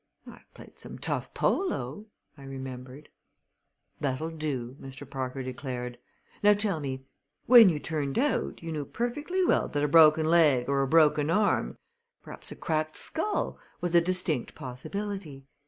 "I've played some tough polo," I remembered. "That'll do," Mr. Parker declared. "Now tell me: When you turned out you knew perfectly well that a broken leg or a broken arm perhaps a cracked skull was a distinct possibility.